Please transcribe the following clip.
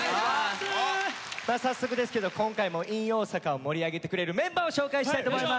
さあ早速ですけど今回も「ｉｎ大阪」を盛り上げてくれるメンバーを紹介したいと思います。